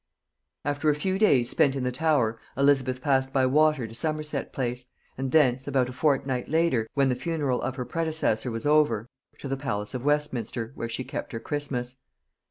After a few days spent in the Tower, Elizabeth passed by water to Somerset Place; and thence, about a fortnight after, when the funeral of her predecessor was over, to the palace of Westminster, where she kept her Christmas.